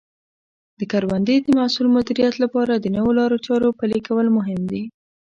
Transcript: د کروندې د محصول مدیریت لپاره د نوو لارو چارو پلي کول مهم دي.